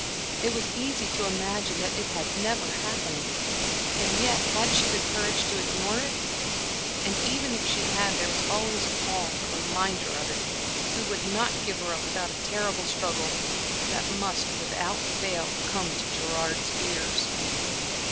It was easy to imagine that it had never happened. And yet, had she the courage to ignore it?... And, even if she had, there was always Paul to remind her of it, who would not give her up without a terrible struggle, that must, without fail, come to Gerard's ears.